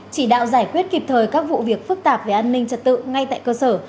chỉ đạo giải quyết kịp thời các vụ việc phức tạp về an ninh trật tự ngay tại cơ sở